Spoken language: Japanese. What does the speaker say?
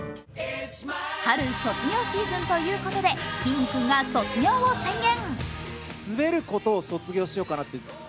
春、卒業シーズンということで、きんに君が卒業を宣言。